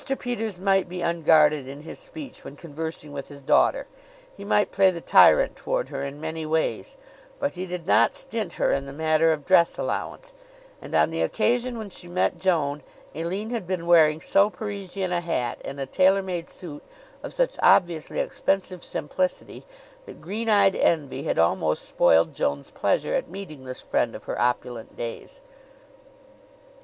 Peters might be unguarded in his speech when conversing with his daughter he might play the tyrant toward her in many ways; but he did not stint her in the matter of dress allowance, and, on the occasion when she met Joan, Aline had been wearing so Parisian a hat and a tailor made suit of such obviously expensive simplicity that green eyed envy had almost spoiled Joan's pleasure at meeting this friend of her opulent days.